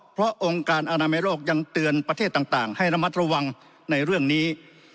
เพราะองค์การอนามัยโลกยังเตือนประเทศต่างให้ระมัดระวังในเรื่องนี้